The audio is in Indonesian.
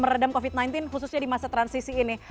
meredam covid sembilan belas khususnya di masa transisi ini